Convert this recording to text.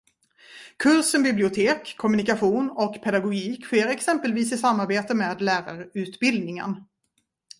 Kursen Bibliotek, kommunikation och pedagogik sker exempelvis i samarbete med lärarutbildningen.